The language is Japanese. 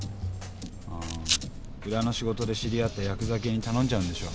裏の仕事で知り合ったヤクザ系に頼んじゃうんでしょ？